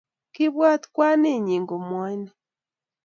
kiibwat kwanit nyi komwaini